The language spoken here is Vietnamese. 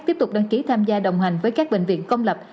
tiếp tục đăng ký tham gia đồng hành với các bệnh viện công lập